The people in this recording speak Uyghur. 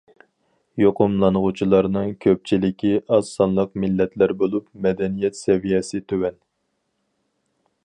يۇقۇملانغۇچىلارنىڭ كۆپچىلىكى ئاز سانلىق مىللەتلەر بولۇپ، مەدەنىيەت سەۋىيەسى تۆۋەن.